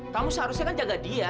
kamu seharusnya kan jaga dia